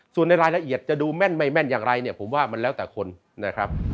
ส่วนในรายละเอียดจะดูแม่นไม่แม่นอย่างไรเนี่ยผมว่ามันแล้วแต่คนนะครับ